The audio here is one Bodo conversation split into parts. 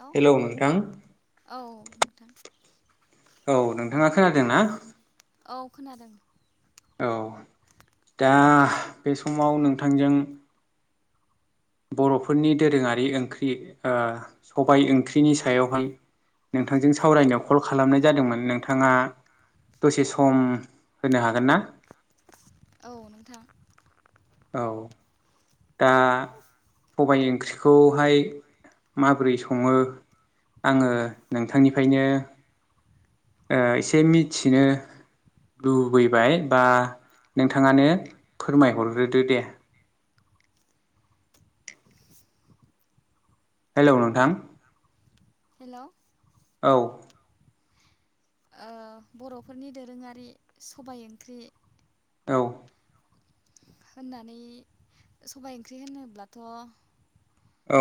औ हेलौ नोंथां औ नोंथां औ नोंथाङा खोनादों ना? औ खोनादों औ दा बे समाव नोंथांजों बर'फोरनि दोरोङारि ओंख्रि ओ सबाय ओंख्रिनि सायावहाय नोंथांजों सावरायनायाव कल खालामनाय जादोंमोन नोंथाङा दसे सम होनो हागोन ना? औ नोंथां औ दा सबाय ओंख्रिखौहाय माबोरै सङो? आङो नोंथांनिफ्रायनो ओ एसे मिथिनो लुबैबाय बा नोंथाङानो फोरमाय हरग्रोदो दे। [inaudible] हेलौ नोंथां हेल' औ ओ बर'फोरनि दोरोङारि सबाय ओंख्रि औ होननानै सबाय ओंख्रि होनोब्लाथ' औ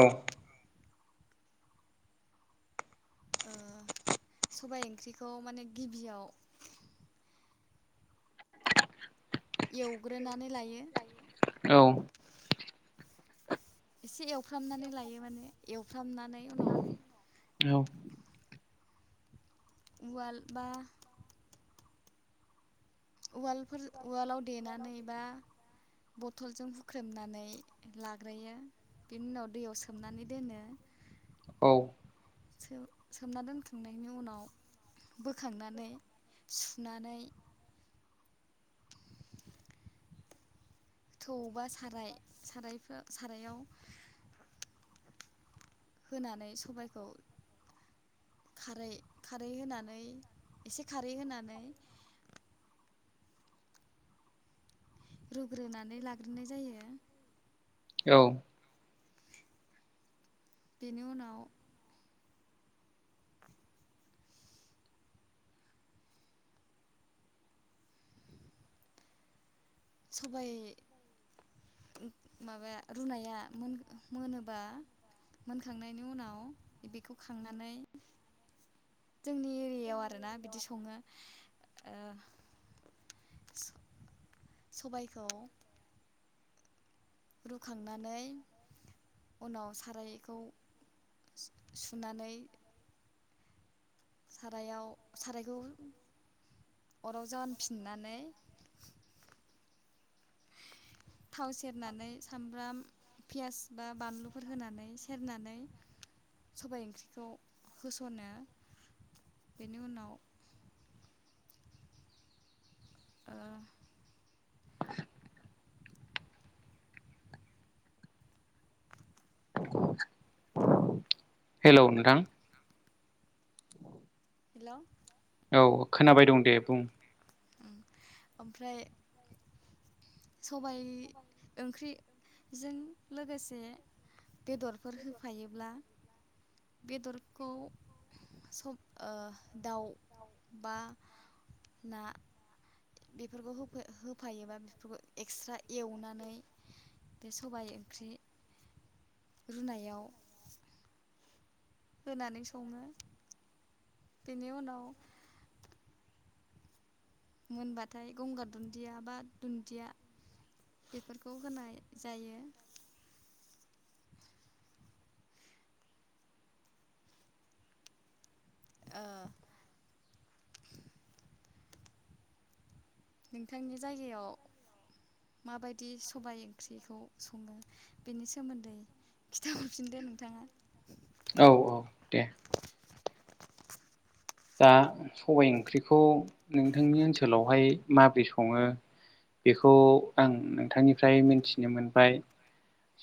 ओ सबाय ओंख्रिखौ माने गिबियाव एवग्रोनानै लायो। औ एसे एवफ्रामनानै लायो माने एवफ्रामनानै उनाव औ उवाल बा उवालफोर उवालाव देनानै बा बथलजों हुख्रेमनानै लाग्रोयो। बिनि उनाव दैयाव सोमनानै दोनो। औ सो-सोमना दोनखांनायनि उनाव बोखांनानै सुनानै थौबा साराय सारायफो सारायाव होनानै सबायखौ खारै खारै होनानै एसे खारै होनानै रुग्रोनानै लाग्रोनाय जायो। औ बेनि उनाव [inaudible] सबाय उम माबाया रुनाया मो-मोनोबा मोनखांनायनि उनाव बेखौ खांनानै जोंनि एरियायाव आरोना बिदि सङो। सबायखौ रुखांनानै उनाव सारायखौ सुनानै सारायाव सारायखौ अराव जाहोनफिननानै थाव सेरनानै सामब्राम पियास बा बानलुफोर होनानै सेरनानै सबाय ओंख्रिखौ होस'नो बेनि उनाव ओ [inaudible] हेलौ नोंथां। हेलौ औ खोनाबाय दं दे बुं। उम ओमफ्राय सबाय ओंख्रिजों लोगोसे बेदरफोर होफायोब्ला बेदरखौ सबाय दाउ बा ना बेफोरखौ होफायोबा बेफोरखौ एक्सट्रा एवनानै बे सबाय ओंख्रि रुनायाव होनानै सङो। बेनि उनाव मोनबाथाय गंगार दुन्दिया बा दुन्दिया बेफोरखौ होनाय जायो। ओ नोंथांनि जायगायाव माबायदि सबायाइ ओंख्रिखौ सङो बेनि सोमोन्दै खिथाहरफिनदो नोंथाङा औ औ दे दा सबायाइ ओंख्रिखौ नोंथांनि ओनसोलावहाय माबोरै सङो। बेखौ आं नोंथांनिफ्राय मिथिनो मोनबाय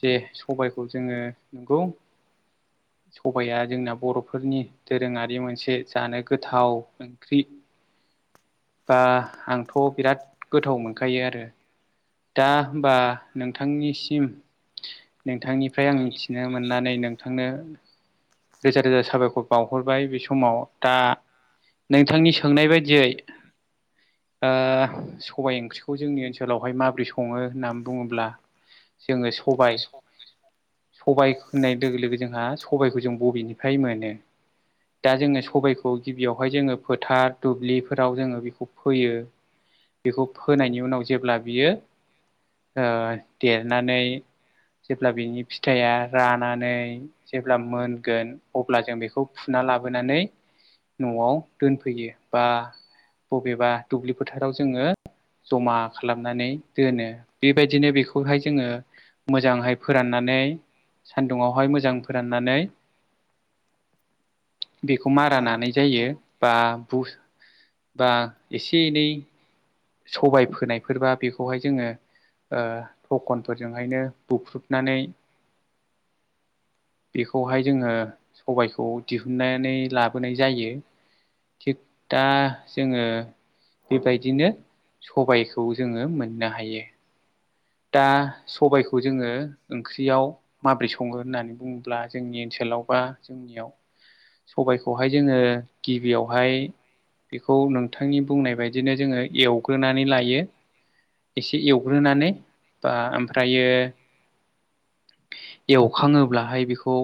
जे सबायखौ जोङो नंगौ। सबाया जोंना बर'फोरनि दोरोङारि मोनसे जानो गोथाव ओंख्रि बा आंथ' बिराद गोथाव मोनखायो आरो दा हबा नोंथांनिसिम नोंथांनिफ्राय आं नोंथांनि मिथिनो मोननानै नों थांनो रोजा रोजा साबायखर बावहरबाय बे समाव दा नोंथांनि सोंनाय बायदियै दा सबायाइ ओंख्रिखौ जोंनि ओनसोलावहाय माबोरै सङो होननानै बुङोब्ला जोङो सबाय सबाय होननाय लोगो लोगो जोंहा सबायखौ जों बबेनिफ्राय मोनो। दा जोङो सबायखौ गिबियावहाय जोङो फोथार दुब्लिफोराव जोङो बेखौ फोयो बेखौ फोनायनि उनाव जेब्ला बियो देरनानै जेब्ला बिनि फिथाइया रानानै जेब्ला मोन गोन अब्ला जों बेखौ फुना लाबोनानै न'आव दोनफैयो बा बबेबा दुब्लि फोथाराव जोङो जमा खालामनानै दोनो बेबायदिनो बेखौहाय जोङो मोजांहाय फोराननानै सान्दुंवाहाय मोजां फोराननानै बेखौ मारा नानाय जायो बा बा एसे एनै सबाय फोनायफोरबा बेखौहाय जोङो ओ थखनफोरजोंहायनो बुख्रुबनानै बेखौहाय जोङो सबायखौ दिहुननानै लाबोनाय जायो। थिग दा जोङो बेबायदिनो सबायखौ जोङो मोननो हायो दा सबायखौ जोङो ओंख्रियाव माबोरै सङो होननानै बुङोब्ला जोंनि ओनसोलाव बा जोंनियाव सबायखौहाय जोङो गिबियावहाय बेखौ नोंथांनि बुंनाय बायदिनो जोङो एवग्रोनानै लायो एसे एवग्रोनानै बा ओमफ्रायो एवखाङोब्लाहाय बेखौ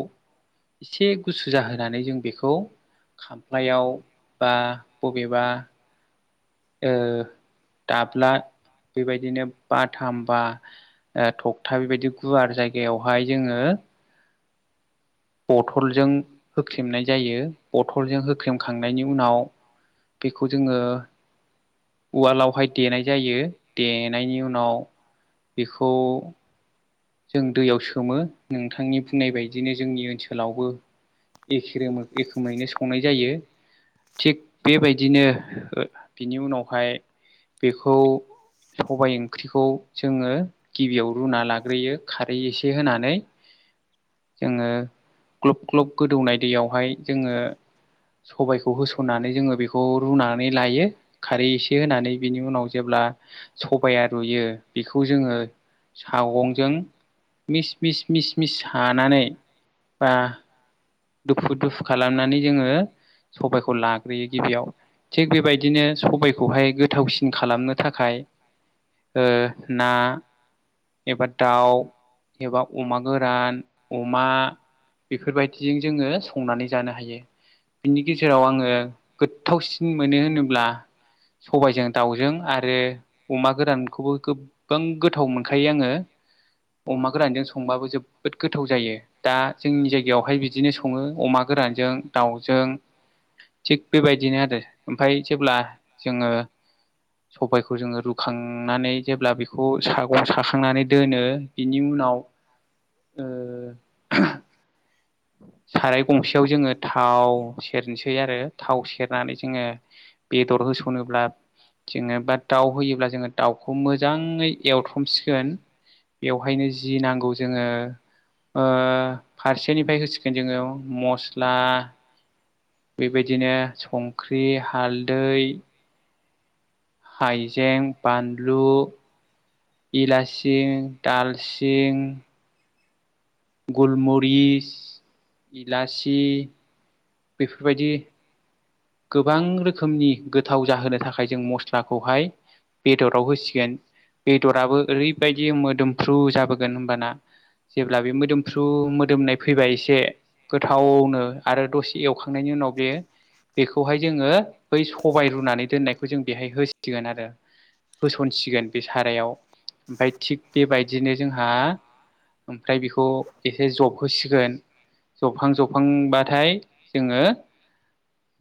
एसे गुसु जाहोनानै जों बेखौ खामफ्लायाव बा बबेबा दाब्ला बेबायदिनो बाथामबा थगथा बेबायदि गुवार जायगायावहाय जोङो बथलजों होख्रेमनाय जायो बथलजों होख्रेमखांनायनि उनाव बेखौ जोङो उवालावहाय देनाय जायो देनायनि उनाव बेखौ जों दैयाव सोमो नोंथांनि बुंनाय बायदिनो जोंनि ओनसोलावबो एखेरोमो एखोमैनो संनाय जायो। थिग बेबायदिनो बिनि उनावहाय बेखौ सबाय ओंख्रिखौ जोङो गिबियाव रुना ला ग्रोयो खारै एसे होनानै जोङो ग्लब ग्लब गोदौनाय दैयावहाय जोङो सबायखौ होसननानै जोङो बे खौ रुनानै लायो खारै एसे होनानै बिनि उनाव जेब्ला सबाया रुयो बेखौ जोङो सागंजों मिस मिस मिस मिस सानानै बा दुखु दुखु खालामनानै जोङो सबायखौ लाग्रोयो गिबियाव थिग बेबायदिनो सबायखौहाय गोथावसिन खालामनो थाखाय ओ ना एबा दाउ एबा अमा गोरान अमा बेफोरबाय दिजों जोङो संनानै जानो हायो। बिनि गेजेराव आङो गोथावसिन मोनो होनोब्ला सबायजों दाउजों आरो अमा गोरानखौबो गोबां गोथाव मोनखायो आङो अमा गोरानजों संबाबो जोबोद गोथाव जायो दा जोंनि जायगायावहाय बि दिनो सङो अमा गोरानजों दाउजों थिग बेबायदिनो आरो ओमफ्राय जेब्ला जोङो सबायखौ जोङो रुखांनानै जेब्ला बेखौ सागं साखांनानै दोनो बिनि उनाव ओ साराय गंसेयाव जोङो थाव सेरनोसै आरो थाव सेरनानै जोङो बेदर होस'नोब्ला जोङो बा दाउ होयोब्ला जोङो दाउखौ मोजाङै एवथ्रमसिगोन बेवहायनो जि नांगौ जोङो ओ सोरनिफ्राय होसिगोन जोङो मस्ला बेबायदिनो संख्रि हालदै हाइजें बानलु इलासिं दालसिं गुलमरिस इलासि बेफोरबायदि गोबां रोखोमनि गोथाव जाहोनो थाखाय जों मस्लाखौहाय बेदराव होसिगोन बेदराबो ओरैबायदि मोदोमफ्रु जाबोगोन होमबाना। जेब्ला बे मोदोमफ्रु मोदोमनाय फैबाय एसे गोथावनो आरो दसे एवखांनायनि उनाव बे बेखौहाय जोङो बै सबाय रुनानै दोननायखौ जों बेहाय होसिगोन आरो होसनसिगोन बे सारायाव ओमफाय थिग बेबायदिनो जोंहा ओमफ्राय बेखौ एसे जब होसिगोन जफां जफांबाथाय जोङो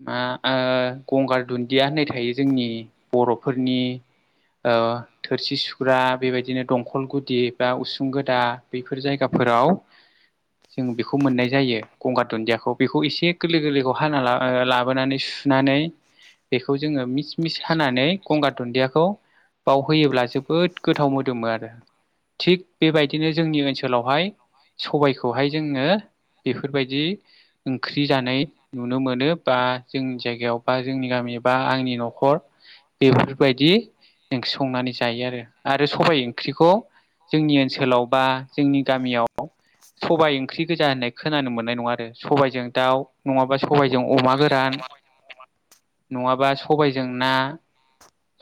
मा आ गंगार दुन्दिया होननाय थायो जोंनि बर'फोरनि ओ थोरसि सुग्रा बेबायदिनो दंखल गुदि बा उसुं गोदा बैफोर जायगाफोराव जों बेखौ मोननाय जायो गंगार दुन्दियाखौ बेखौ एसे गोरलै गोरलैखौ हाना ला लाबोनानै सुनानै बेखौ जोङो मिस मिस हानानै गंगार दुन्दियाखौ बावहोयोब्ला जोबोद गोथाव मोदोमो आरो थिग बेबायदिनो जोंनि ओनसोलावहाय सबायखौहाय जोङो बेफोरबायदि ओंख्रि जानाय नुनो मोनो। बा जोंनि जायगायाव बा जोंनि गामि बा आंनि न'खर बेफोरबायदि ओंख्रि संनानै जायो आरो आरो सबाय ओंख्रिखौ जोंनि ओनसोलाव बा जोंनि गामियाव सबाय ओंख्रि गोजा होननाय खोनानो मोननाय नङा आरो सबायजों दाउ नङाबा सबायजों अमा सबायजों गोरान अमा नङाबा सबायजों ना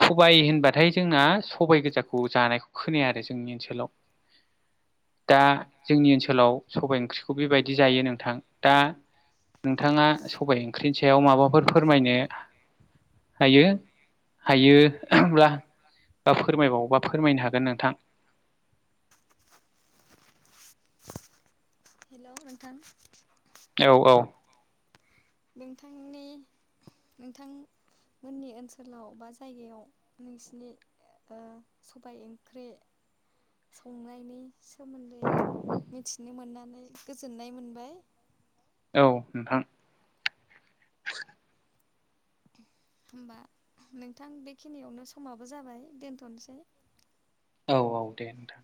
सबाय होनबाथाय जोंना सबाइ गोजाखौ जानायखौ खोनाया आरो जोंनि ओनसोलाव दा जोंनि ओनसोलाव सबाय ओंख्रिखौ बेबायदि जायो नोंथां दा नोंथाङा सबाइ ओंख्रिनि सायाव माबाफोर फोरमायनो हायो हायो ब्ला बा फोरमायबावोबा फोरमायनो हागोन नोंथां। हेलौ नोंथां औ औ नोंथांनि नोंथां मोननि ओनसोलाव बा जायगायाव नोंसिनि ओ सबाय ओंख्रि संनायनि सोमोन्दै मिथिनो मोननानै गोजोननाय मोनबाय। औ नोंथां होमबा नोंथां बेखिनियावनो समाबो जाबाय दोनथ'नोसै। औ औ दे नोंथां।